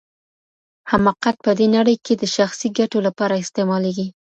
حماقت په دې نړۍ کي د شخصي ګټو لپاره استعمالیږي.